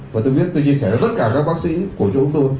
và tôi viết tôi chia sẻ cho tất cả các bác sĩ của chỗ của tôi